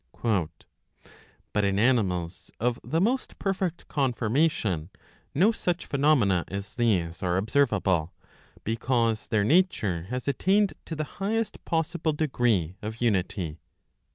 *" But in animals of the most perfect con formation no such phenomena as these are observable, because their nature has attained to the highest possible degree of unity."